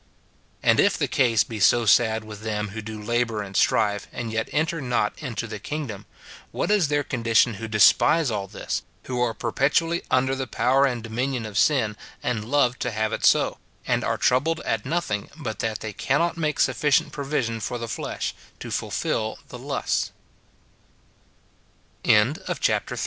And if the case be so sad with them who do labour and strive, and yet enter not into the kingdom, what is their condition who despise all this ; who are perpetually under the power and dominion of sin, and love to have it so ; and are troubled at nothing, but that they cannot make sufficient provision for the flesh, to fulfil the lusts thereof ? 176 MORTIFICATI